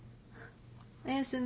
おやすみ。